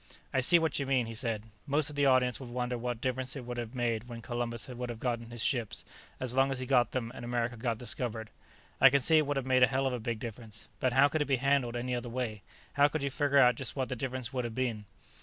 "I see what you mean," he said. "Most of the audience would wonder what difference it would have made where Columbus would have gotten his ships, as long as he got them and America got discovered. I can see it would have made a hell of a big difference. But how could it be handled any other way? How could you figure out just what the difference would have been?"